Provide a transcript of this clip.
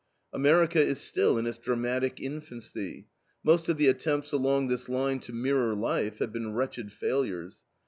America is still in its dramatic infancy. Most of the attempts along this line to mirror life, have been wretched failures.